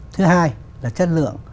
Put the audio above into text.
thứ hai là chất lượng